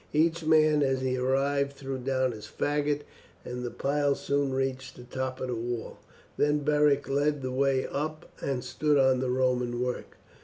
Each man as he arrived threw down his faggot, and the pile soon reached the top of the wall. Then Beric led the way up and stood on the Roman work.